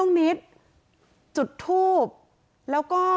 นี่รถไหม